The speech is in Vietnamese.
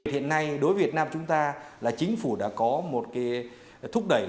hiện nay đối với việt nam chúng ta là chính phủ đã có một cái thúc đẩy